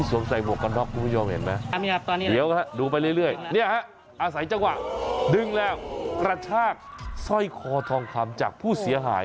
วิ่งแล้วประชากสร้อยคอทองคำจากผู้เสียหาย